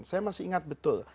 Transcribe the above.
saya masih ingat betul